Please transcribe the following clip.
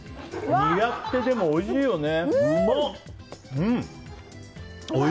ニラって、でもおいしいよね。